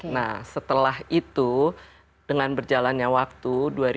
nah setelah itu dengan berjalannya waktu dua ribu dua puluh